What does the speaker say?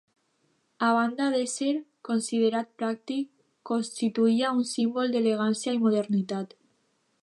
A banda d'ésser considerat pràctic, constituïa un símbol d'elegància i modernitat.